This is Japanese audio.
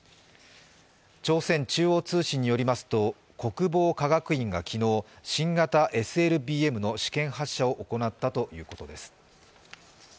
朝鮮中央通信によりますと、国防科学院が昨日新型ＳＬＢＭの試験発射を行ったということです。